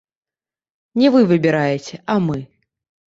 Не вы выбіраеце, а мы.